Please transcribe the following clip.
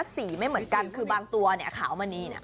สีไม่เหมือนกันคือบางตัวขาวมานี่